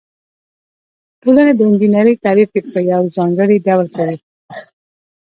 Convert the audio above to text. ټولنې د انجنیری تعریف په یو ځانګړي ډول کوي.